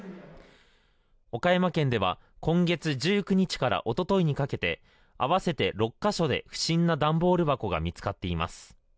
岡山県では今月１９日からおとといにかけて合わせて６か所で不審な段ボール箱が見つかっています。